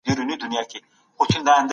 زه چای ډېر خوښوم.